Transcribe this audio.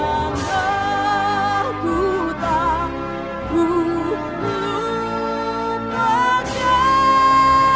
tanahku yang ku cintai